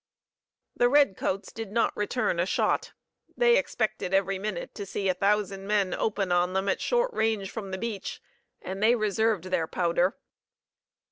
The red coats did not return a shot. They expected every minute to see a thousand men open on them at short range from the beach, and they reserved their powder.